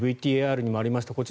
ＶＴＲにもありました